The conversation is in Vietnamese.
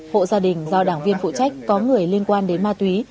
hộ gia đình do đảng viên phụ trách có người liên quan đến ma túy